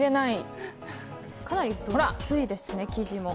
かなり分厚いですね、生地も。